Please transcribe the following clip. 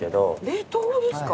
冷凍ですか？